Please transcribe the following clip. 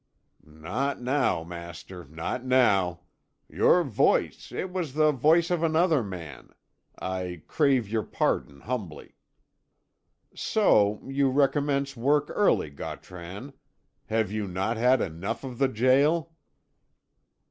"Not now, master, not now. Your voice it was the voice of another man. I crave your pardon, humbly." "So you recommence work early, Gautran. Have you not had enough of the gaol?"